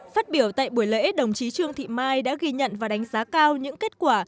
phát biểu tại buổi lễ đồng chí trương thị mai đã ghi nhận và đánh giá cao những kết quả